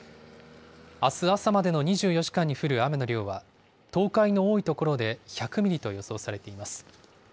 あす朝までの２４時間に降る雨の量は、東海の多い所で１００ミリと予想されています。